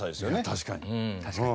確かに。